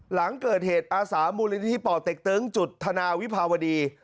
หลังเกิดเหตุอาสามูลนิธิป่อเต็กตึงจุดธนาวิภาวดี